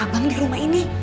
abang di rumah ini